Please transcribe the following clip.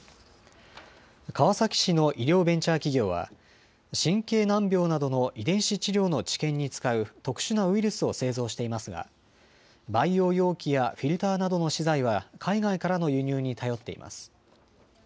川崎市の医療ベンチャー企業は、神経難病などの遺伝子治療の治験に使う特殊なウイルスを製造していますが、培養容器やフィルターなどの資材は、海外からの輸入に頼っています。